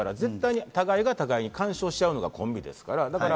互いが互いに干渉しあうのがコンビですから。